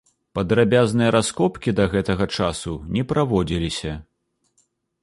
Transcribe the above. Падрабязныя раскопкі да гэтага часу не праводзіліся.